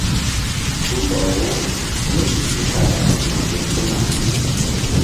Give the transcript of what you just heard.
Tumbɔl wo mí tukala ziŋfe su̧na.